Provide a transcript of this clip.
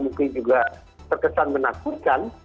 mungkin juga terkesan menakutkan